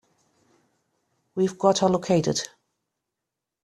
We've got her located.